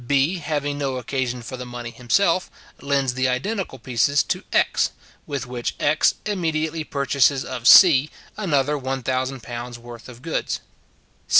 B having no occasion for the money himself, lends the identical pieces to X, with which X immediately purchases of C another £1000 worth of goods.